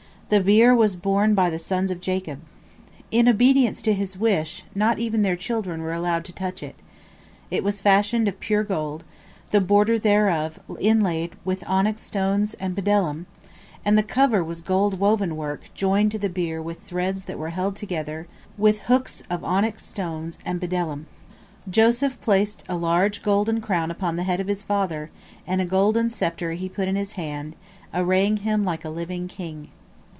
The bier was borne by the sons of Jacob. In obedience to his wish not even their children were allowed to touch it. It was fashioned of pure gold, the border thereof inlaid with onyx stones and bdellium, and the cover was gold woven work joined to the bier with threads that were held together with hooks of onyx stones and bdellium. Joseph placed a large golden crown upon the head of his father, and a golden sceptre he put in his hand, arraying him like a living king.